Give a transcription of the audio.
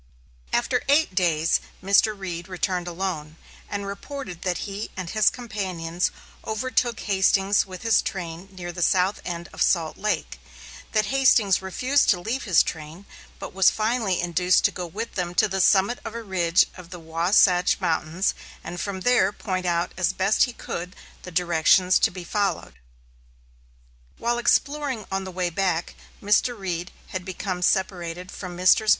After eight days Mr. Reed returned alone, and reported that he and his companions overtook Hastings with his train near the south end of Salt Lake; that Hastings refused to leave his train, but was finally induced to go with them to the summit of a ridge of the Wahsatch Mountains and from there point out as best he could, the directions to be followed. While exploring on the way back, Mr. Reed had become separated from Messrs.